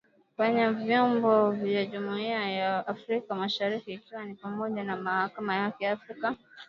kwenye vyombo vya jumuia ya Afrika mashariki ikiwa ni pamoja na Mahakama ya Haki ya Afrika